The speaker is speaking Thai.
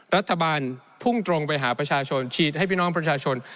รัฐบาลพุ่งตรงไปหาประชาชนฉีดให้พี่น้องประชาชน